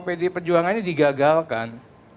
pdp perjuangan ini digagalkan